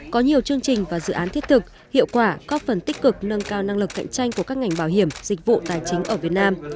có nhiều chương trình và dự án thiết thực hiệu quả góp phần tích cực nâng cao năng lực cạnh tranh của các ngành bảo hiểm dịch vụ tài chính ở việt nam